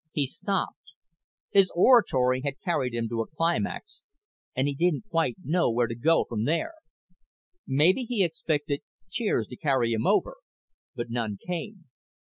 He stopped. His oratory had carried him to a climax and he didn't quite know where to go from there. Maybe he expected cheers to carry him over, but none came.